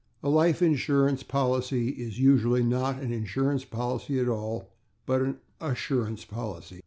A life insurance policy is usually not an insurance policy at all, but an /assurance/ policy.